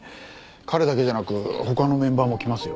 彼だけじゃなく他のメンバーも来ますよ。